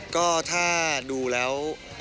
ก็ถ้าดูแล้ว